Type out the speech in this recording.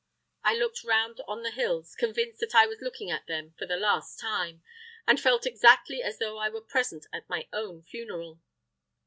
I looked round on the hills, convinced that I was looking at them for the last time, and felt exactly as though I were present at my own funeral!